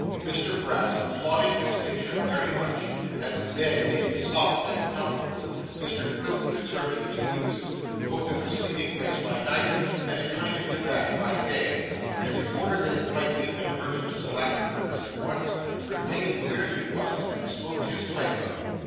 Mr Brass applauding this picture very much, and the bed being soft and comfortable, Mr Quilp determined to use it, both as a sleeping place by night and as a kind of Divan by day; and in order that it might be converted to the latter purpose at once, remained where he was, and smoked his pipe out.